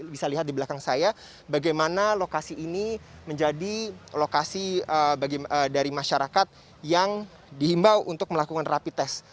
bisa lihat di belakang saya bagaimana lokasi ini menjadi lokasi dari masyarakat yang dihimbau untuk melakukan rapi tes